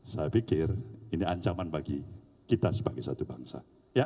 saya pikir ini ancaman bagi kita sebagai satu bangsa